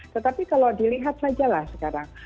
tetapi kalau dilihat saja lah sekarang